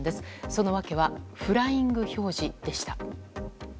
その訳はフライング表示でした。